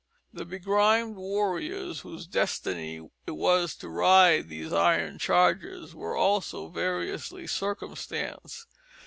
The begrimed warriors, whose destiny it was to ride these iron chargers, were also variously circumstanced.